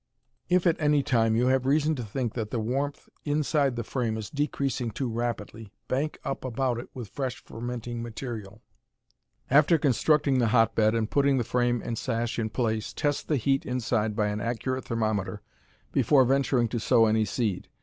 If at any time you have reason to think that the warmth inside the frame is decreasing too rapidly, bank up about it with fresh fermenting material. After constructing the hotbed and putting the frame and sash in place, test the heat inside by an accurate thermometer before venturing to sow any seed.